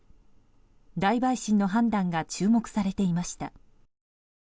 大陪審の判断が注目されていました。